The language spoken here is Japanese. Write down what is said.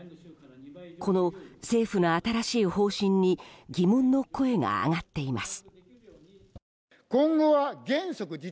この政府の新しい方針に疑問の声が上がっています。